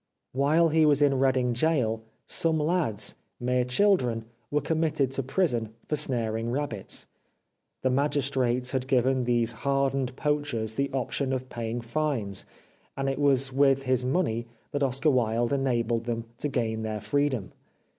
While he was in Reading Gaol some lads, mere children, were committed to prison for snaring rabbits. The magistrates had given these hardened poachers the option of paying fines, and it was with his money that Oscar Wilde enabled them to gain their freedom.